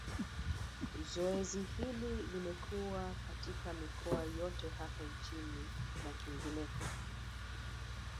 Zoezi hili limekuwa katika mikoa yote hapa nchini na kwingineko